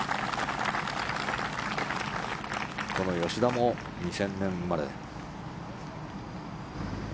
この吉田も２０００年生まれ。